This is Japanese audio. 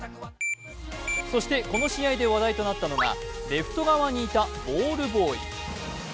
そして、この試合で話題となったのがレフト側にいたボールボーイ。